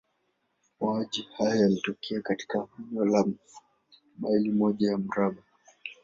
Mauaji haya yalitokea katika eneo la maili moja ya mraba.